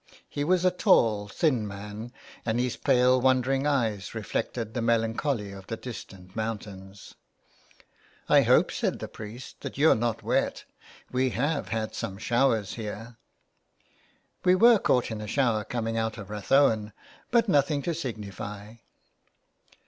He was a tall thin man, and his pale wandering eyes reflected the melancholy of the distant mountains. '' I hope," said the priest, " that you're not wet ; we have had some showers here." '* We were caught in a shower coming out of Rathowen, but nothing to signify."